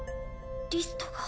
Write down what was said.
リストが。